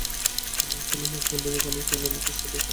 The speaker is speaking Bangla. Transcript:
তিনি ছিলেন মাইজভান্ডারী গানের কিংবদন্তি সাধক।